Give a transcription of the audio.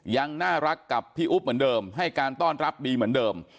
ยังน่ารักกับพี่อุ๊บเหมือนเดิมให้การต้อนรับดีเหมือนเดิม